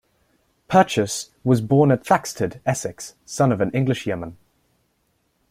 Purchas was born at Thaxted, Essex, son of an English yeoman.